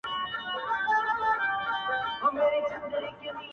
له خپل کوششه نا امیده نه وي,